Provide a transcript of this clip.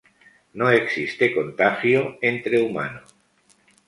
No existe contagio entre humanos.